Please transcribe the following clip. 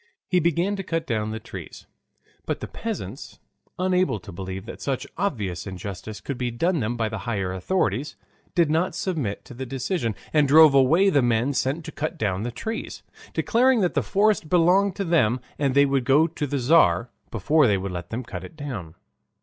He began to cut down the trees, but the peasants, unable to believe that such obvious injustice could be done them by the higher authorities, did not submit to the decision and drove away the men sent to cut down the trees, declaring that the forest belonged to them and they would go to the Tzar before they would let them cut it down.